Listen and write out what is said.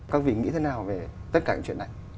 các vị nghĩ thế nào về tất cả những chuyện này